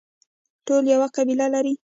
ټول یوه قبله لري